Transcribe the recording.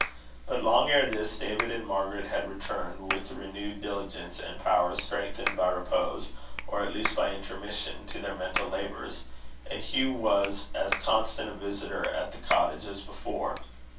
But long ere this, David and Margaret had returned with renewed diligence, and powers strengthened by repose, or at least by intermission, to their mental labours, and Hugh was as constant a visitor at the cottage as before.